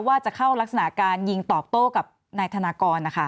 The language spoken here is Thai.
ว่าจะเข้ารักษณะการยิงตอบโต้กับนายธนากรนะคะ